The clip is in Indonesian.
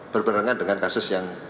berpengarangan dengan kasus yang